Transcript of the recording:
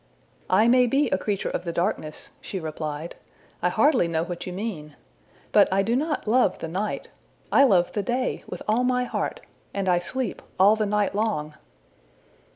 ``I may be a creature of the darkness,'' she replied. ``I hardly know what you mean. But I do not love the night. I love the day with all my heart; and I sleep all the night long.''